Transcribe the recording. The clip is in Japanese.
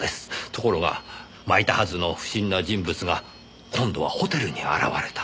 ところがまいたはずの不審な人物が今度はホテルに現れた。